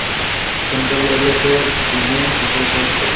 Central এরিয়াতে domain প্রসারিত হচ্ছে।